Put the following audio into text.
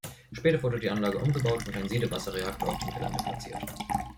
Später wurde die Anlage umgebaut und ein Siedewasserreaktor auf dem Gelände platziert.